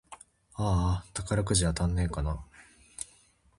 あーあ、宝くじ当たんねぇかな